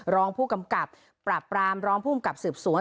รองผู้กำกัดประปรามรองผู้กำกัดสืบสวน